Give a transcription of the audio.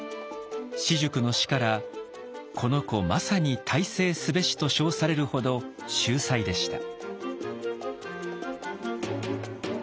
私塾の師から「この児まさに大成すべし」と称されるほど秀才でした。